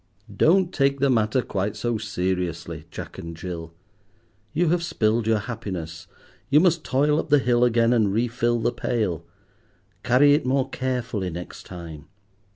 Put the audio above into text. Don't take the matter quite so seriously, Jack and Jill. You have spilled your happiness, you must toil up the hill again and refill the pail. Carry it more carefully next time.